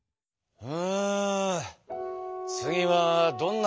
うん。